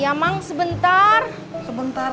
iya olur sebentak